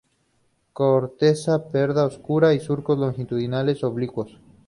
Corteza parda oscura, y surcos longitudinales y oblicuos.